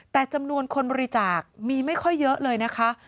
แต่จำนวนคนบริจาคมีไม่ค่อยเยอะเลยนะคะ